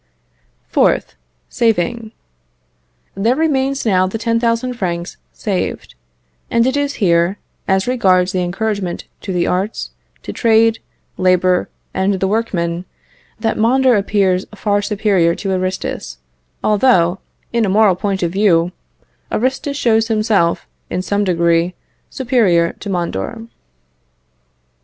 4th. Saving. There remains now the 10,000 francs saved; and it is here, as regards the encouragement to the arts, to trade, labour, and the workmen, that Mondor appears far superior to Aristus, although, in a moral point of view, Aristus shows himself, in some degree, superior to Mondor.